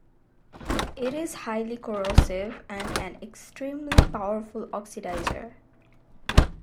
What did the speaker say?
It is highly corrosive and an extremely powerful oxidizer.